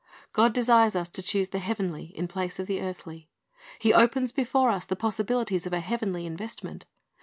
"' God desires us to choose the heavenly in place of the earthly. He opens before us the possibilities of a heavenly investment.